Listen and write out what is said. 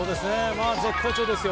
絶好調ですよ。